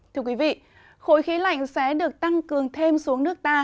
thưa quý vị khối khí lạnh sẽ được tăng cường thêm xuống nước ta